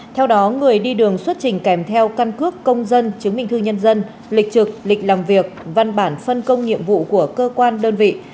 theo đó người đi đường xuất trình kèm theo căn cước công dân chứng minh thư nhân dân lịch trực lịch làm việc văn bản phân công nhiệm vụ của cơ quan đơn vị